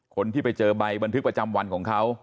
คนที่ไปเจอใบบันทึกประจำวันของเขา